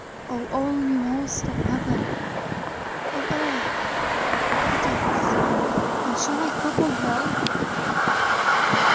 Ham. Oh all you host of Heauen! Oh Earth; what els? And shall I couple Hell?